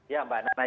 ya mbak nana